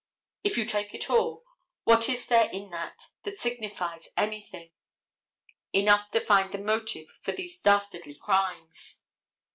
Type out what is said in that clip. If you take it all, what is there in it that signifies anything, enough to find the motive for these dastardly crimes?